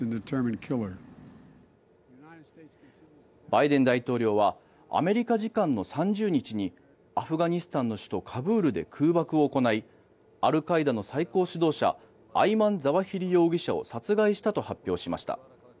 バイデン大統領はアメリカ時間の３０日にアフガニスタンの首都カブールで空爆を行いアルカイダの最高指導者アイマン・ザワヒリ容疑者を殺害したと発表しました。